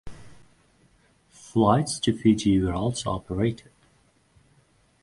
Flights to Fiji were also operated.